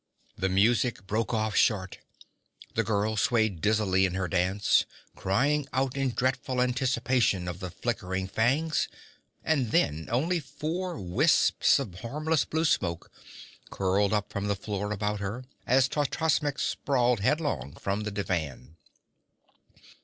The music broke off short. The girl swayed dizzily in her dance, crying out in dreadful anticipation of the flickering fangs and then only four wisps of harmless blue smoke curled up from the floor about her, as Totrasmek sprawled headlong from the divan.